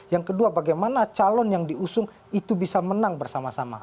yang kedua bagaimana calon yang diusung itu bisa menang bersama sama